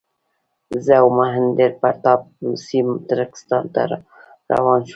زه او مهیندراپراتاپ روسي ترکستان ته روان شولو.